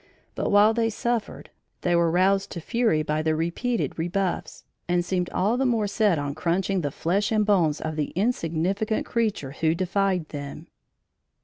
But while they suffered, they were roused to fury by the repeated rebuffs, and seemed all the more set on crunching the flesh and bones of the insignificant creature who defied them.